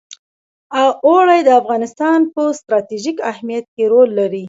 اوړي د افغانستان په ستراتیژیک اهمیت کې رول لري.